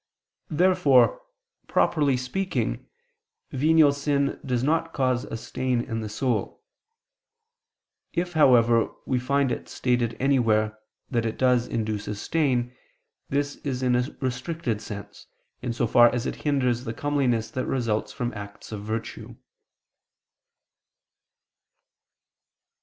Therefore, properly speaking, venial sin does not cause a stain in the soul. If, however, we find it stated anywhere that it does induce a stain, this is in a restricted sense, in so far as it hinders the comeliness that results from acts of virtue.